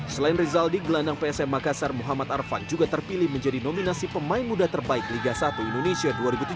selain rizaldi gelandang psm makassar muhammad arfan juga terpilih menjadi nominasi pemain muda terbaik liga satu indonesia dua ribu tujuh belas